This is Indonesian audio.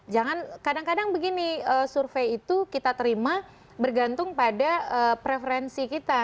jangan kadang kadang begini survei itu kita terima bergantung pada preferensi kita